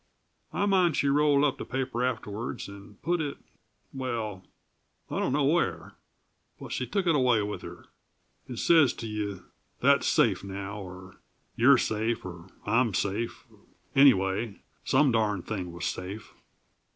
I mind she rolled up the paper afterwards and put it well, I dunno where, but she took it away with her, and says to you: 'That's safe, now' or 'You're safe,' or 'I'm safe,' anyway, some darned thing was safe.